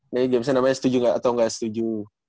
ini gamesnya namanya setuju atau nggak setuju